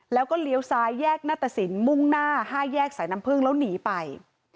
แล้วก็เลี้ยวซ้ายแยกหน้าตสินมุ่งหน้า๕แยกสายน้ำพึ่งแล้วหนีไป